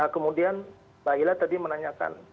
kemudian mbak hilal tadi menanyakan